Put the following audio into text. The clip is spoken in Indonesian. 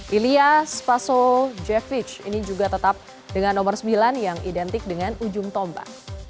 lilia spasojevic juga tetap dengan nomor sembilan yang identik dengan ujung tomba